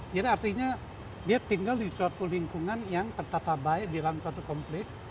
jadi artinya dia tinggal di suatu lingkungan yang tertata baik di dalam suatu kompleks